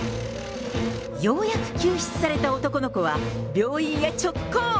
ようやく救出された男の子は病院へ直行。